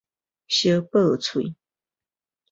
相駁喙